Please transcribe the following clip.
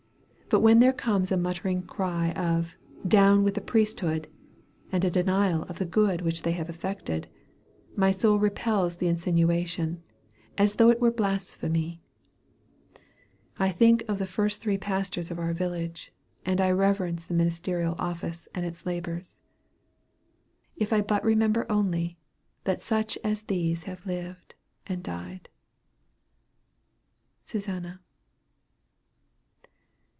But when there comes a muttering cry of "Down with the priesthood!" and a denial of the good which they have effected, my soul repels the insinuation, as though it were blasphemy. I think of the first three pastors of our village, and I reverence the ministerial office and its labors, "If I but remember only, That such as these have lived, and died." SUSANNA.